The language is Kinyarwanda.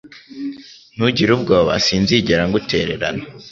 Ntugire ubwoba Sinzigera ngutererana